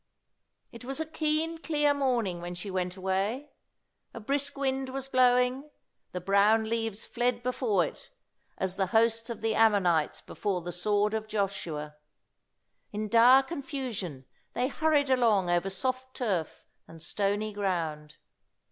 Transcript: It was a keen, clear morning when she went away. A brisk wind was blowing; the brown leaves fled before it, as the hosts of the Amorites before the sword of Joshua. In dire confusion they hurried along over soft turf and stony ground.